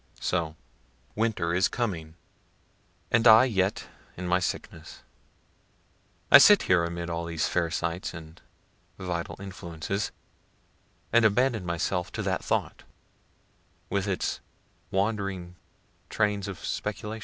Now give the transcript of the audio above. So, winter is coming; and I yet in my sickness. I sit here amid all these fair sights and vital influences, and abandon myself to that thought, with its wandering trains of speculation.